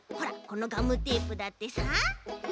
このガムテープだってさ。